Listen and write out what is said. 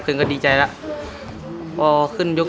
สวัสดีครับ